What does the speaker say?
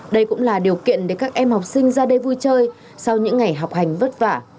đây cũng là điều kiện để các em học sinh ra đây vui chơi sau những ngày học hành vất vả